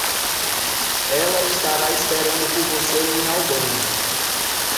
Ela estará esperando por você em Albany.